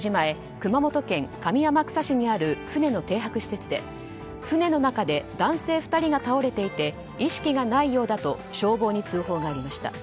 熊本県上天草市にある船の停泊施設で、船の中で男性２人が倒れていて意識がないようだと消防に通報がありました。